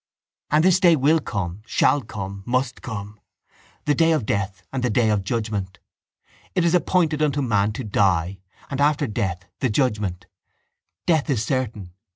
And this day will come, shall come, must come; the day of death and the day of judgement. It is appointed unto man to die and after death the judgement. Death is certain.